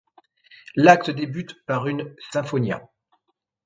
L'acte débute par une Sinfonia.